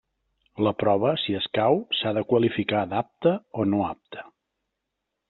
La prova si escau, s'ha de qualificar d'apte o no apte.